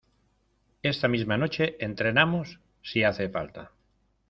esta misma noche entrenamos, si hace falta.